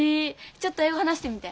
ちょっと英語話してみて。